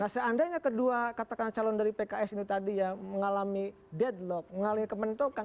seandainya kedua katakan calon dari pks ini tadi ya mengalami deadlock mengalami kementokan